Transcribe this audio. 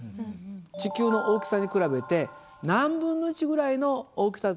地球の大きさに比べて何分の１ぐらいの大きさだと思いますか？